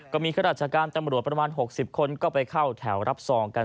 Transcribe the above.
ข้าราชการตำรวจประมาณ๖๐คนก็ไปเข้าแถวรับซองกัน